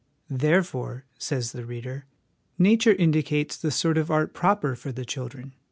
'" 'Therefore,' says the reader, ' Nature indicates the sort of art proper for the children